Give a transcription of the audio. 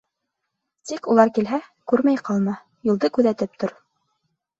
Тик улар килһә, күрмәй ҡалма, юлды күҙәтеп тор.